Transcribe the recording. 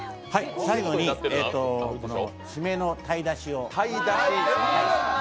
最後に、締めの鯛だしを。